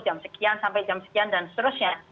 jam sekian sampai jam sekian dan seterusnya